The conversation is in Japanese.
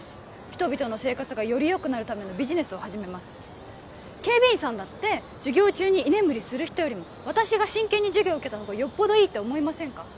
人々の生活がよりよくなるためのビジネスを始めます警備員さんだって授業中に居眠りする人よりも私が真剣に授業を受けたほうがよっぽどいいって思いませんか？